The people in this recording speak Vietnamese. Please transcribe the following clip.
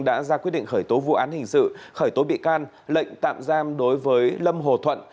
đã ra quyết định khởi tố vụ án hình sự khởi tố bị can lệnh tạm giam đối với lâm hồ thuận